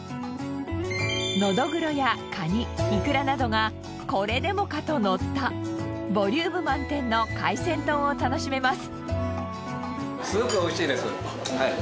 ノドグロやカニイクラなどがこれでもかとのったボリューム満点の海鮮丼を楽しめます。